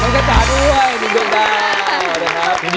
เจ้าค่ะ